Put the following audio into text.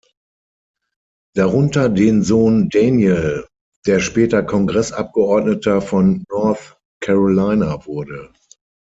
Darunter den Sohn Daniel, der später Kongressabgeordneter von North Carolina wurde.